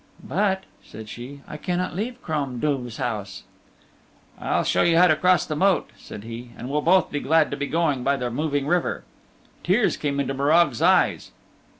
"But," said she, "I cannot leave Crom Duv's house." "I'll show you how to cross the moat," said he, "and we'll both be glad to be going by the moving river." Tears came into Morag's eyes.